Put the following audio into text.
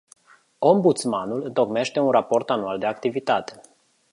Ombudsmanul întocmește un raport anual de activitate.